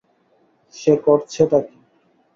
সে করছেটা কী?